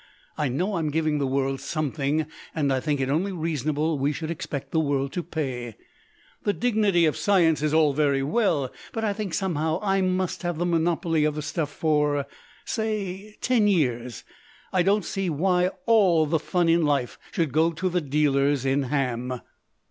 I know I'm giving the world something, and I think it only reasonable we should expect the world to pay. The dignity of science is all very well, but I think somehow I must have the monopoly of the stuff for, say, ten years. I don't see why ALL the fun in life should go to the dealers in ham."